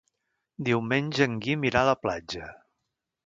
Diumenge en Guim irà a la platja.